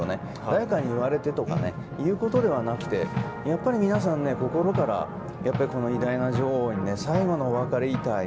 誰かに言われてということではなくて皆さん、心から偉大な女王に最後のお別れを言いたい。